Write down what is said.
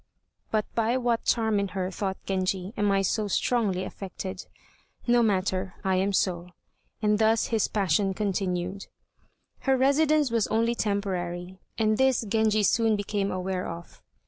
"But by what charm in her," thought Genji, "am I so strongly affected; no matter, I am so," and thus his passion continued. Her residence was only temporary, and this Genji soon became aware of.